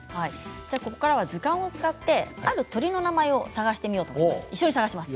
ここからは図鑑を使ってある鳥の名前を探してみようと思います。